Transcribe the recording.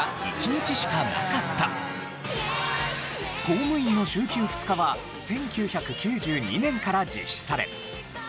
公務員の週休２日は１９９２年から実施され。